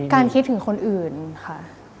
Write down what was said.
คิดถึงคนอื่นค่ะ